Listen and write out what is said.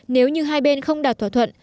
nếu như hai bên không đạt thỏa thuận